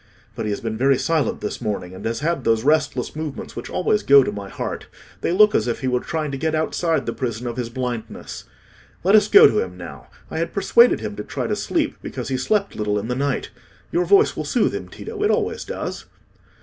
But he has been very silent this morning, and has had those restless movements which always go to my heart; they look as if he were trying to get outside the prison of his blindness. Let us go to him now. I had persuaded him to try to sleep, because he slept little in the night. Your voice will soothe him, Tito: it always does."